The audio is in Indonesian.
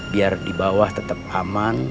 biar di bawah tetap aman